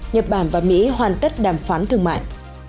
nhật bản và mỹ hoàn tất đàm phán thương mại